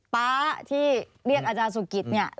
ป๊าที่เรียกอาจารย์สุกิตเนี่ย